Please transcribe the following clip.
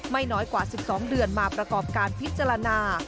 ไม่น้อยกว่า๑๒เดือนมาประกอบการพิจารณา